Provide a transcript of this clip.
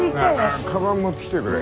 かばん持ってきてくれ。